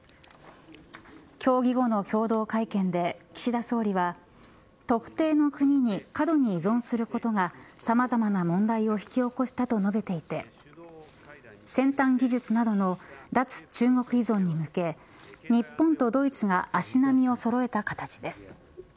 協議後の共同会見で岸田総理は特定の国に過度に依存することがさまざまな問題を引き起こしたと述べていて先端技術などの脱・中国依存に向け日本とドイツが足並みをそろえた形です。